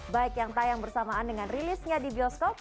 baik yang tayang bersamaan dengan rilisnya di bioskop